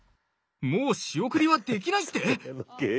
もう仕送りはできないって！？